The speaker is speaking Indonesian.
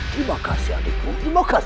terima kasih adikku